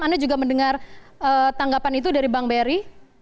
anda juga mendengar tanggapan itu dari bank bri